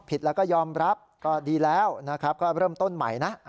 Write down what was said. ผิดแล้วก็ยอมรับก็ดีแล้วนะครับก็เริ่มต้นใหม่นะ